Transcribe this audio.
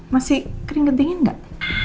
masih keringet dingin gak